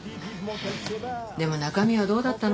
でも中身はどうだったのかなあ。